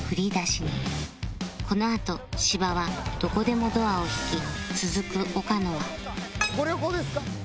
このあと芝はどこでもドアを引き続く岡野は